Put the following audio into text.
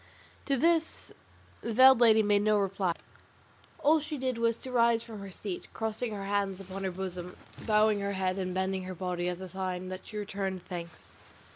To this the veiled lady made no reply; all she did was to rise from her seat, crossing her hands upon her bosom, bowing her head and bending her body as a sign that she returned thanks.